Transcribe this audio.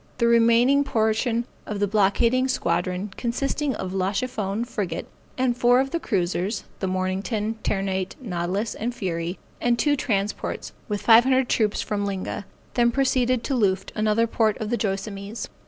The remaining portion of the blockading squadron consisting of La Chiffone, frigate, and four of the cruisers, the Mornington, Ternate, Nautilus, and Fury, and two transports, with five hundred troops from Linga, then proceeded to Luft, another port of the Joassamees.